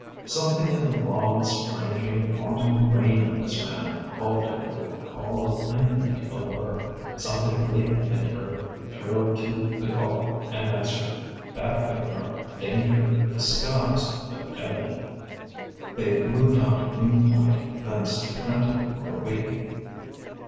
Something in the lawless, ranging, wanton grain of this man called to her with a call of infinite allure: something latent in her thrilled to the call and answered.... That way lurked danger, disguised, but deadly. They moved on to Greenpoint, thence to Trenton for a week.